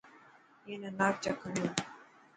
اي نا نانگ چڪ هڻيو.